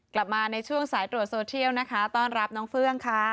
กลับมาในช่วงสายตรวจโซเทียลนะคะต้อนรับน้องเฟื่องค่ะ